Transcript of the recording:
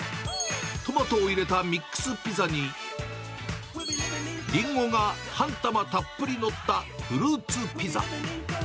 トマトを入れたミックスピザに、リンゴが半玉たっぷり載ったフルーツピザ。